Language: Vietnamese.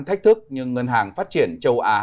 thách thức nhưng ngân hàng phát triển châu á